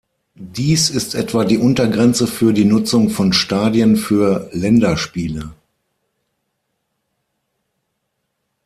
Dies ist etwa die Untergrenze für die Nutzung von Stadien für Länderspiele.